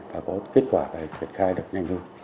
và có kết quả để triển khai được nhanh hơn